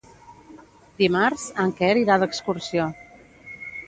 Dimarts en Quer irà d'excursió.